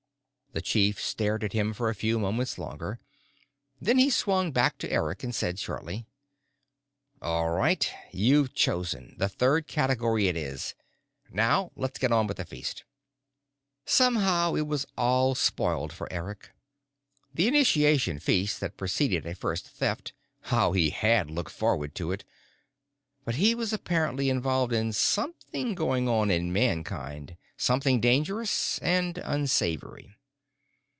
The chief stared at him for a few moments longer. Then he swung back to Eric and said shortly: "All right. You've chosen. The third category it is. Now let's get on with the feast." Somehow it was all spoiled for Eric. The initiation feast that preceded a first Theft how he had looked forward to it! But he was apparently involved in something going on in Mankind, something dangerous and unsavory.